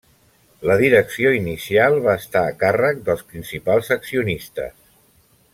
La direcció inicial va estar a càrrec dels principals accionistes.